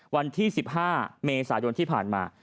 วันที่๑๕เมษายนที่ผ่านมา